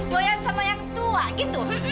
goyang sama yang tua gitu